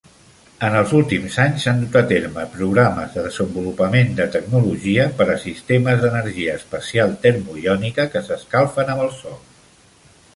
En els últims anys s'han dut a terme programes de desenvolupament de tecnologia per a sistemes d'energia espacial termoiònica que s'escalfen amb el sol.